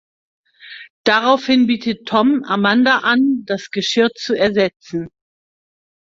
Daraufhin bietet Tom Amanda an, das Geschirr zu ersetzen.